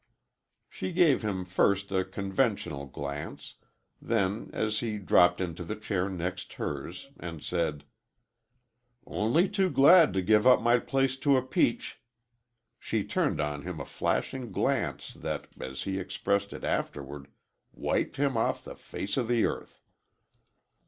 She gave him first a conventional glance, then, as he dropped into the chair next hers, and said, "Only too glad to give up my place to a peach," she turned on him a flashing glance, that, as he expressed it afterward, "wiped him off the face of the earth."